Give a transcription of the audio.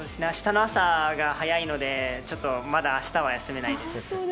明日の朝が早いのでちょっと、まだ明日は休めないです。